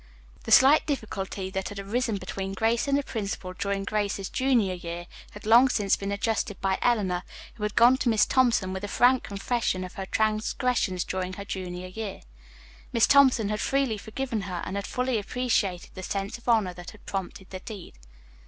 The slight difficulty that had arisen between Grace and the principal during Grace's junior year had long since been adjusted by Eleanor, who had gone to Miss Thompson with a frank confession of her transgressions during her junior year. Miss Thompson had freely forgiven her and had fully appreciated the sense of honor that had prompted the deed.